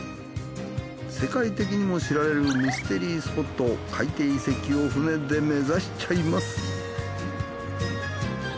世界的にも知られるミステリースポット海底遺跡を船で目指しちゃいます。